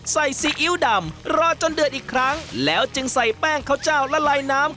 ซีอิ๊วดำรอจนเดือดอีกครั้งแล้วจึงใส่แป้งข้าวเจ้าและลายน้ำ